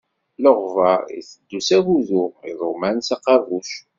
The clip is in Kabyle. Leɣbaṛ iteddu s agudu, iḍuman s aqabuc.